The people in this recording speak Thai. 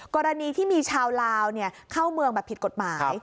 กรณีที่มีชาวลาวเข้าเมืองแบบผิดกฎหมาย